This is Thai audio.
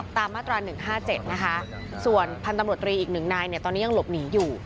ตามมาตรา๑๕๗นะคะส่วนพันธุ์ตำรวจตรีอีกหนึ่งนายเนี่ยตอนนี้ยังหลบหนีอยู่